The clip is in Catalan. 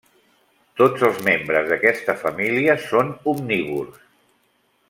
Tots els membres d'aquesta família són omnívors.